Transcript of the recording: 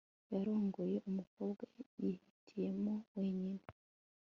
Yarongoye umukobwa yihitiyemo wenyine